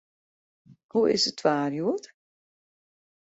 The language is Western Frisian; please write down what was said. Hoe is it waar hjoed?